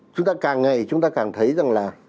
chúng ta càng ngày chúng ta càng thấy rằng là